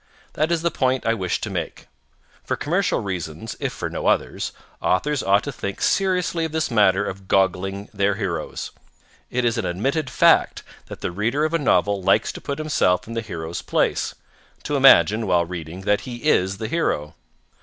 That is the point I wish to make. For commercial reasons, if for no others, authors ought to think seriously of this matter of goggling their heroes. It is an admitted fact that the reader of a novel likes to put himself in the hero's place to imagine, while reading, that he is the hero.